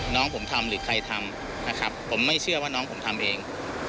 น้องผมทำหรือใครทำนะครับผมไม่เชื่อว่าน้องผมทำเอง